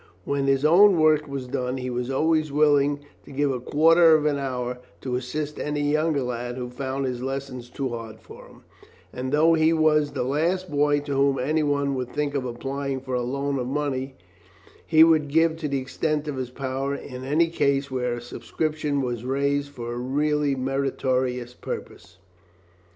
When his own work was done he was always willing to give a quarter of an hour to assist any younger lad who found his lessons too hard for him, and though he was the last boy to whom any one would think of applying for a loan of money, he would give to the extent of his power in any case where a subscription was raised for a really meritorious purpose.